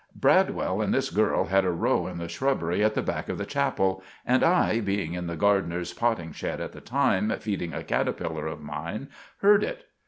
Bradwell and this girl had a row in the shrubbery at the back of the chapel, and I, being in the gardener's potting shed at the time, feeding a cattipiller of mine, heard it.